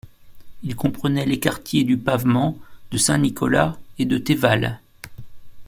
Il comprenait les quartiers du Pavement, de Saint-Nicolas et de Thévalles.